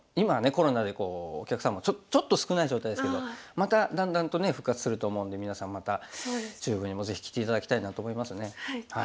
コロナでお客さんもちょっと少ない状態ですけどまただんだんとね復活すると思うので皆さんまた中部にもぜひ来て頂きたいなと思いますね。